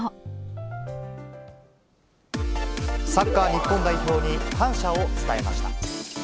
サッカー日本代表に感謝を伝えました。